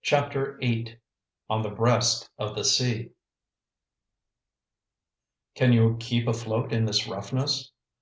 CHAPTER VIII ON THE BREAST OF THE SEA "Can you keep afloat in this roughness?"